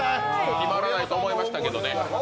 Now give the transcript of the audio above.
決まらないと思いましたけどね。